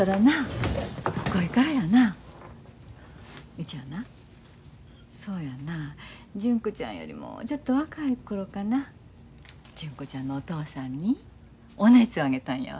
うちはなそうやな純子ちゃんよりもちょっと若い頃かな純子ちゃんのお父さんにお熱をあげたんやわ。